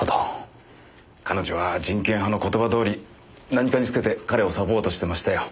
彼女は人権派の言葉どおり何かにつけて彼をサポートしてましたよ。